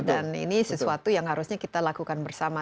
dan ini sesuatu yang harusnya kita lakukan bersama